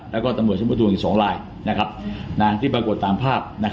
และตำรวจสมโจมนต์๒รายที่ปรากฏตามภาพ